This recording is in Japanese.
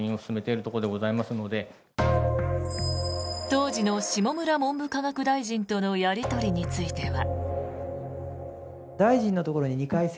当時の下村文部科学大臣とのやり取りについては。